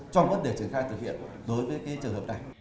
trong vấn đề triển khai thực hiện đối với cái trường hợp này